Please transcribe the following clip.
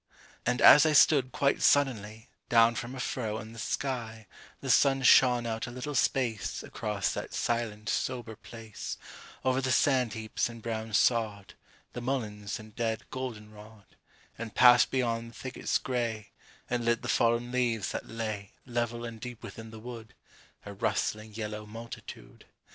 And as I stood, quite suddenly, Down from a furrow in the sky The sun shone out a little space Across that silent sober place, Over the sand heaps and brown sod, The mulleins and dead goldenrod, And passed beyond the thickets gray, And lit the fallen leaves that lay, Level and deep within the wood, A rustling yellow multitude.